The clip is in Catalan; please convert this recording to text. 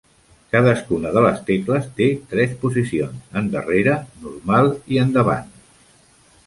Cadascuna de les tecles té tres posicions: endarrere, normal i endavant.